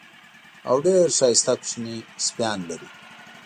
او ډېر ښایسته کوچني سپیان لري.